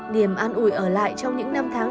điểm ăn uỷ ở lại trong những năm tháng